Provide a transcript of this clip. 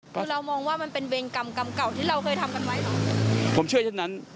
คือเรามองว่ามันเป็นเวรกรรมกรรมเก่าที่เราเคยทำกันไว้เหรอผมเชื่อเช่นนั้น